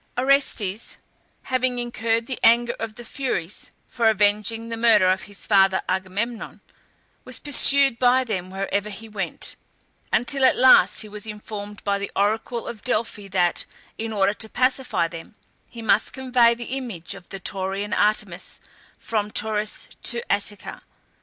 Orestes, having incurred the anger of the Furies for avenging the murder of his father Agamemnon, was pursued by them wherever he went, until at last he was informed by the oracle of Delphi that, in order to pacify them, he must convey the image of the Taurian Artemis from Tauris to Attica.